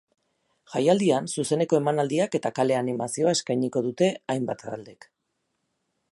Jaialdian zuzeneko emanaldiak eta kale animazioa eskainiko dute hainbat taldek.